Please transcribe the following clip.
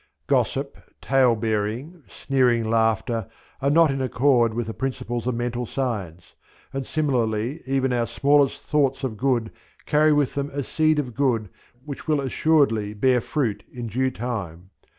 Gossip, tale bearing, sneering laughter, are not in accord with the principles of Mental Science; and similarly even our smallest thoughts of good carry with them a seed of good which will assuredly bear fruit in due time.